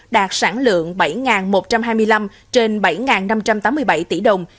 đạt sản lượng bảy một trăm hai mươi năm trên bảy năm trăm tám mươi bảy tỷ đồng